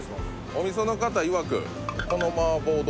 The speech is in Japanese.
お店の方いわく